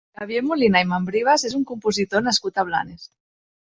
Xavier Molina i Membrives és un compositor nascut a Blanes.